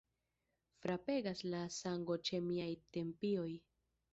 Frapegas la sango ĉe miaj tempioj.